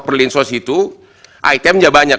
perlinsos itu itemnya banyak